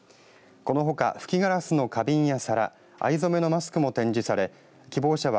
このほか吹きガラスの花瓶や皿藍染めのマスクも展示され希望者は